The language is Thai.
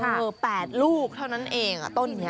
๘ลูกเท่านั้นเองต้นนี้